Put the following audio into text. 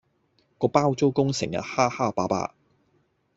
個包租公成日蝦蝦霸霸